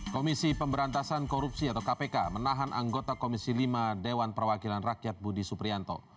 komisi pemberantasan korupsi atau kpk menahan anggota komisi lima dewan perwakilan rakyat budi suprianto